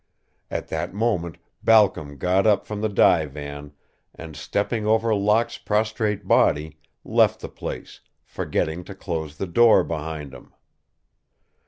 At that moment Balcom got up from the divan and, stepping over Locke's prostrate body, left the place, forgetting to close the door behind him.